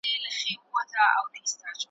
مدرسې به وي تړلي ورلوېدلي وي قلفونه `